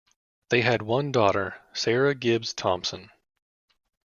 They had one daughter, Sarah Gibbs Thompson.